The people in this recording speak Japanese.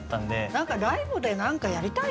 何かライブで何かやりたいね。